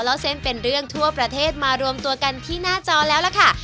เล่าเส้นเป็นเรื่องทั่วประเทศมารวมตัวกันที่หน้าจอแล้วล่ะค่ะ